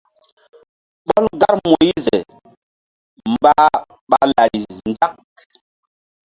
Ɓɔl gar Moyiz mbah ɓa lari nzak.